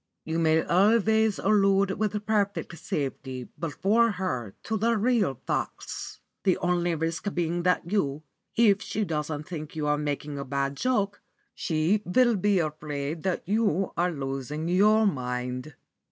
You may always allude with perfect safety before her to the real facts, the only risk being that, if she doesn't think you are making a bad joke, she will be afraid that you are losing your mind."